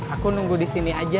aku nunggu di sini aja